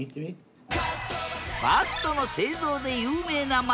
バットの製造で有名な街